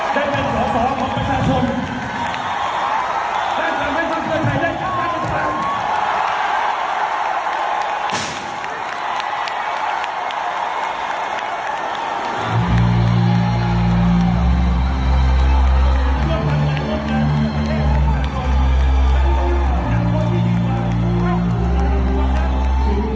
พระเจ้าของประชาชนได้ฝังให้พระเจ้าไทยได้ฝันศักดิ์ภัณฑ์